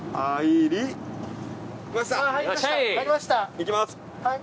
いきます。